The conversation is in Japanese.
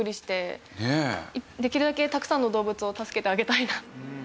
できるだけたくさんの動物を助けてあげたいな。